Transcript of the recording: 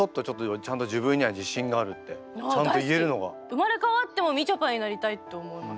生まれ変わってもみちょぱになりたいって思います。